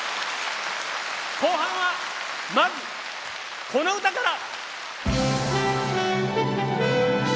後半は、まず、この歌から！